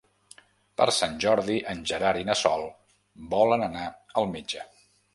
Per Sant Jordi en Gerard i na Sol volen anar al metge.